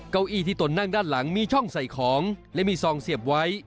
เก้าอี้ที่ตนนั่งด้านหลังมีช่องใส่ของและมีซองเสียบไว้